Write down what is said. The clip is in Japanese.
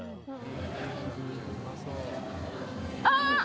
ああ！